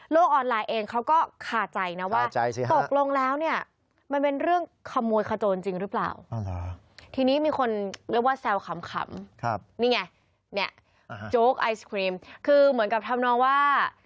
โลกออนไลน์เองเขาก็ขาดใจนะว่า